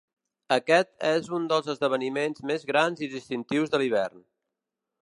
Aquest és un dels esdeveniments més grans i distintius de l'hivern.